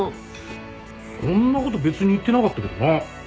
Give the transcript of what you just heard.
そんなこと別に言ってなかったけどな。